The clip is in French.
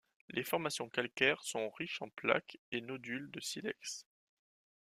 Les formations calcaires sont riches en plaques et nodules de silex.